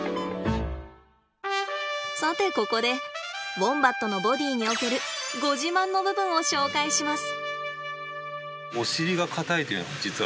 さてここでウォンバットのボディーにおけるご自慢の部分を紹介します。